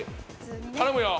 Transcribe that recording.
頼むよ。